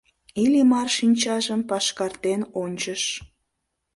Иллимар шинчажым пашкартен ончыш.